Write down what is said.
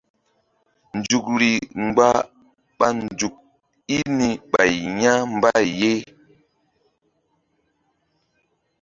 Nzukri gbam ɓa nzuk i ni ɓay ya̧ mbay ye.